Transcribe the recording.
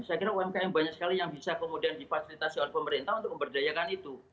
saya kira umkm banyak sekali yang bisa kemudian difasilitasi oleh pemerintah untuk memberdayakan itu